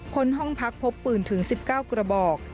คนห้องพักพบปืนถึง๑๙กระบอก